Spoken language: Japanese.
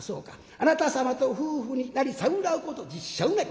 『あなた様と夫婦になりさうらうこと実証なり。